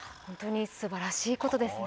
すばらしいことですね。